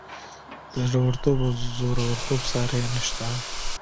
د زړه ورتوب او زورورتوب ساری نشته.